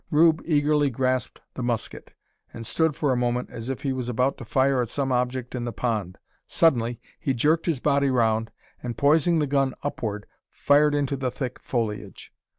Rube eagerly grasped the musket, and stood for a moment as if he was about to fire at some object in the pond. Suddenly he jerked his body round, and, poising the gun upward, fired into the thick foliage.